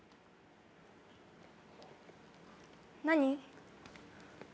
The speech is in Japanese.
何？